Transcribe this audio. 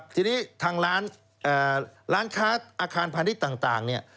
ทีนี้ทางร้านค้าอาคารพาณิชย์ต่างเนี่ย